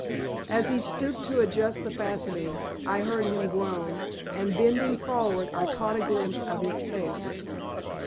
As he stooped to adjust the fastening I heard him groan, and bending forward I caught a glimpse of his face.